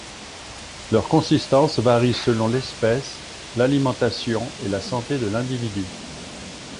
Leur consistance varie selon l'espèce, l'alimentation et la santé de l'individu.